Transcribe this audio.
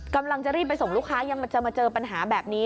กำลังจะรีบไปส่งลูกค้ายังจะมาเจอปัญหาแบบนี้